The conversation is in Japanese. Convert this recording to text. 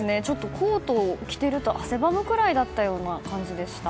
コートを着てると汗ばむくらいだったような感じでした。